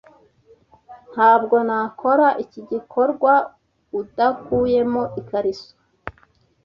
ntabwo nakora iki gikorwa udakuyemo ikariso